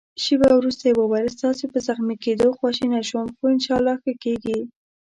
شېبه وروسته يې وویل: ستاسي په زخمي کېدو خواشینی شوم، خو انشاالله ښه کېږې.